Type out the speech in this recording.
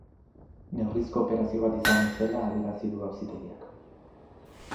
Neurrizko operazio bat izan ez zela adierazi du auzitegiak.